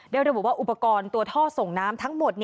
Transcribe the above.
เดี๋ยวได้บอกว่าอุปกรณ์ตัวท่อส่งน้ำทั้งหมด